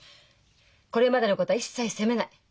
これまでのことは一切責めない。